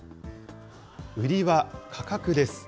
売りは価格です。